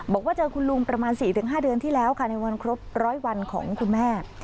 บอกว่าเจอคุณลุงประมาณ๔๕เดือนที่แล้วค่ะในวันครบร้อยวันของคุณแม่